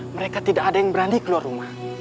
mereka tidak ada yang berani keluar rumah